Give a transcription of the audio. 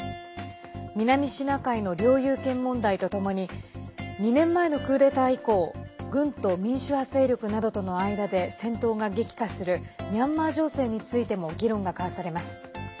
南シナ海の領有権問題とともに２年前のクーデター以降軍と民主派勢力などとの間で戦闘が激化するミャンマー情勢についても議論が交わされます。